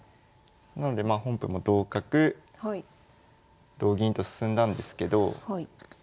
なのでまあ本譜も同角同銀と進んだんですけど。